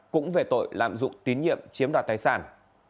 cũng về tội lạm dụng tín nhiệm chiếm đoạt tài sản